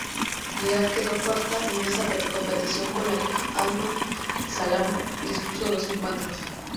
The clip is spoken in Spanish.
Irak quedó cuarta en esa competición, en la que Ahmad Salah disputó dos encuentros.